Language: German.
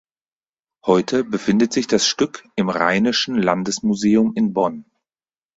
Heute befindet sich das Stück im Rheinischen Landesmuseum in Bonn.